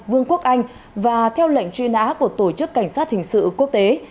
vương quốc anh và theo lệnh truy nã của tổ chức cảnh sát hình sự quốc tế